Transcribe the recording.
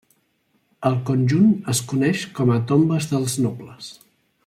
El conjunt es coneix com a Tombes dels nobles.